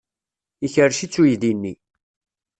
Ikerrec-itt uydi-nni.